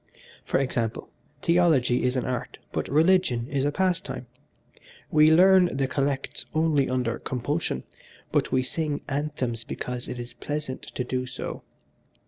For example, theology is an art but religion is a pastime: we learn the collects only under compulsion, but we sing anthems because it is pleasant to do so.